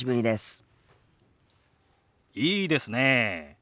いいですねえ。